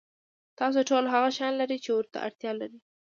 تاسو ټول هغه شیان لرئ چې ورته اړتیا لرئ.